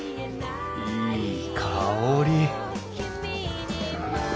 いい香り